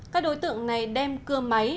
các đối tượng này đem cưa máy